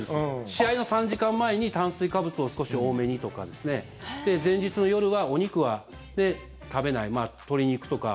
試合の３時間前に炭水化物を少し多めにとか前日の夜はお肉は食べない鶏肉とか